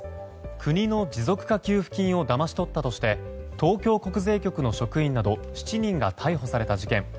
国の持続化給付金をだまし取ったとして東京国税局の職員など７人が逮捕された事件。